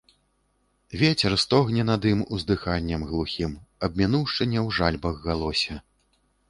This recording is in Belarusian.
Вецер стогне над ім уздыханнем глухім, - аб мінуўшчыне ў жальбах галосе.